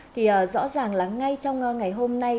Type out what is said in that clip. thì rõ ràng là ngay trong ngày hôm nay